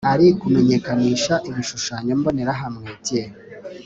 ari Kumenyekanisha ibishushanyo mbonerahamwe bye